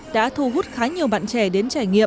đã thu hút khá nhiều bạn trẻ đến trải nghiệm